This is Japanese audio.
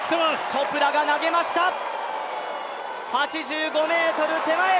チョプラが投げました、８５ｍ手前。